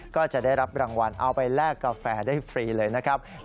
ก็จะได้รับรางวัลเอาไปแลกกาแฟได้ฟรีเลยนะครับ